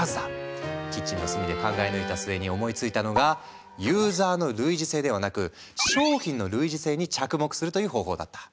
キッチンの隅で考え抜いた末に思いついたのがユーザーの類似性ではなく商品の類似性に着目するという方法だった。